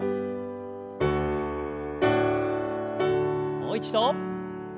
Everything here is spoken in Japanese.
もう一度。